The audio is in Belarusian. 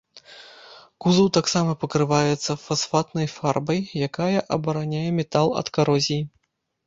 Кузаў таксама пакрываецца фасфатнай фарбай, якая абараняе метал ад карозіі.